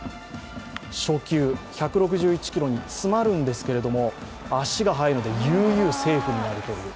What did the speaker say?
初球１６１キロに詰まるんですけども足が速いので、ゆうゆうセーフになるという。